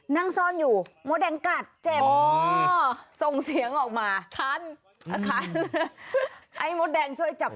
นั่งซ่อนอยู่มดแดงกัดเจ็บส่งเสียงออกมาทันนะคะให้มดแดงช่วยจับ